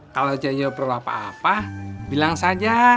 kalau cuy yoyo perlu apa apa bilang saja